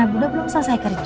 bunda belum selesai kerja